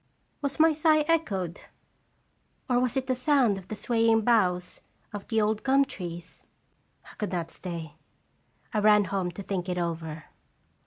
Was my sigh echoed, or was it the sound of the swaying boughs of the old gum trees ? I could not stay. I ran home to think it over.